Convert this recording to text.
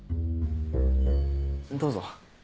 どうぞ。